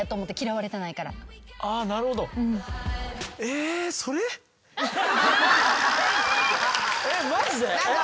えっマジで？